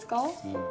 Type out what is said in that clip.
うん。